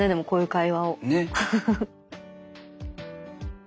ねっ。